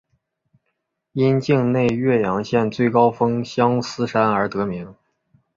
因境内岳阳县最高峰相思山而得名。